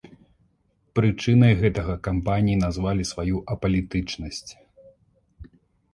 Прычынай гэтага кампаніі назвалі сваю апалітычнасць.